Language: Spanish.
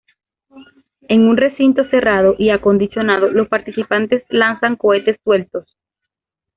En un recinto cerrado y acondicionado, los participantes lanzan cohetes sueltos.